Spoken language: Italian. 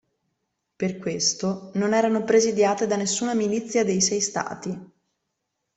Per questo, non erano presidiate da nessuna milizia dei sei stati.